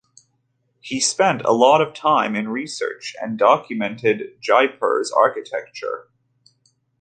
He spent a lot of time in research and documented Jaipur's architecture.